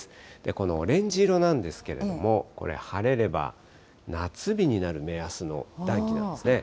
このオレンジ色なんですけれども、これ、晴れれば夏日になる目安の暖気なんですね。